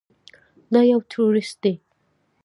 دا يو ټروريست دى.